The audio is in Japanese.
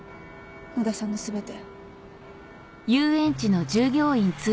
野田さんの全て。